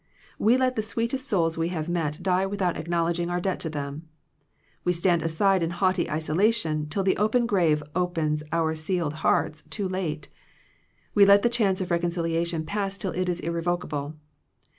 We let the sweetest souls we have met die without acknowl edging our debt to them. We stand aside in haughty isolation, till the open grave opens our sealed hearts— too late. We let the chance of reconciliation pass till it is irrevocable.